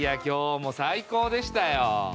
今日も最高でしたよ。